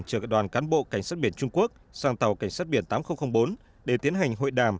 chở đoàn cán bộ cảnh sát biển trung quốc sang tàu cảnh sát biển tám nghìn bốn để tiến hành hội đàm